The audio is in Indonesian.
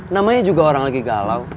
namanya juga orang lagi galau